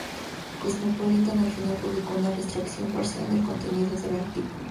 Cosmopolitan al final publicó una retractación parcial del contenido del artículo.